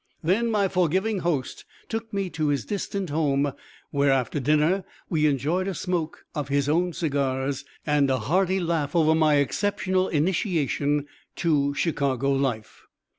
Then my forgiving host took me to his distant home, where, after dinner, we enjoyed a smoke of his own cigars and a hearty laugh over my exceptional initiation to Chicago life.